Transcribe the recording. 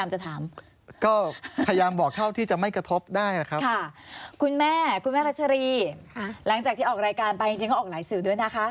หลังจากที่ออกรายการไปจริงก็ออกหลายสื่อด้วยนะคะ